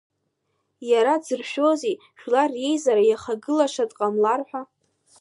Иара дзыршәози жәлар реизара иахагылашаз дҟамлар ҳәа?